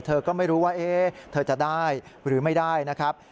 เธอก็ไม่รู้ว่าเธอจะได้หรือไม่ได้นะครับ